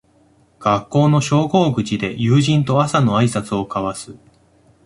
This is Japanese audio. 学校の昇降口で友人と朝のあいさつを交わす